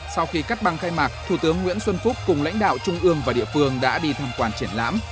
sau khi cắt băng khai mạc thủ tướng nguyễn xuân phúc cùng lãnh đạo trung ương và địa phương đã đi tham quan triển lãm